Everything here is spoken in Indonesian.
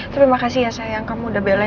terima kasih cinta saya sangat gelap